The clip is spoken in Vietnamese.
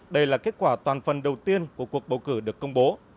đây là kết quả toàn phần đầu tiên của cuộc bầu cử được công bố